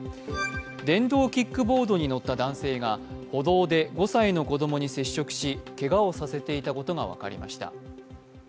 電動キックボードに乗った男性が歩道で５歳の子供に接触し、けがをさせていたことが分かりました。